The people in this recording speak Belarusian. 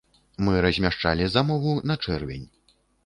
Мы размяшчалі замову на чэрвень.